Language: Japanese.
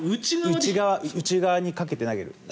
内側にかけて投げる。